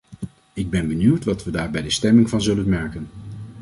Ik ben benieuwd wat we daar bij de stemming van zullen merken.